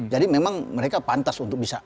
jadi memang mereka pantas untuk bisa